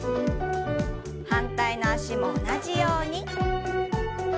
反対の脚も同じように。